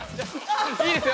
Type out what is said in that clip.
いいですよ！